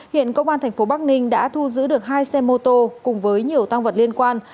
hiện công an tp bắc ninh đã thu giữ được hai xe mô tô cùng với nhiều tăng vật liên quan